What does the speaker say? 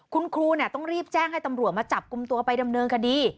คุณครูต้องรีบแจ้งให้ตำรวจมาจับกลุ่มตัวไปดำเนินคดี